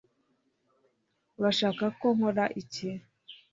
urashaka ko nkora iki